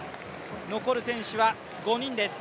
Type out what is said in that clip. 残る選手は５人です。